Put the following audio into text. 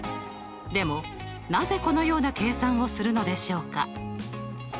でもなぜこのような計算をするのでしょうか？